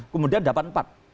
kemudian dapat empat